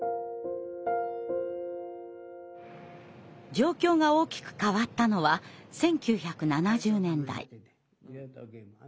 状況が大きく変わったのは１９７０年代。